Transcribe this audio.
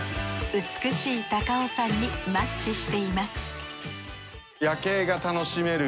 美しい高尾山にマッチしています